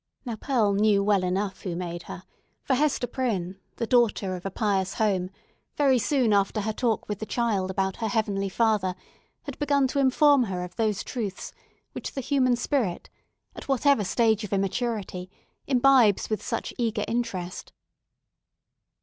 Now Pearl knew well enough who made her, for Hester Prynne, the daughter of a pious home, very soon after her talk with the child about her Heavenly Father, had begun to inform her of those truths which the human spirit, at whatever stage of immaturity, imbibes with such eager interest.